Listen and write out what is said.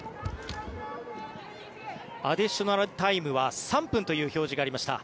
アディショナルタイムは３分という表示がありました。